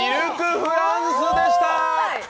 フランスでした。